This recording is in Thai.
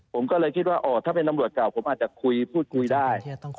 ผมก็เลยคิดว่าถ้าเป็นตำรวจเก่าผมอาจจะคุยพูดคุยได้